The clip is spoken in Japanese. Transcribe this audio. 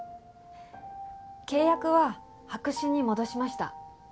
契約は白紙に戻しました。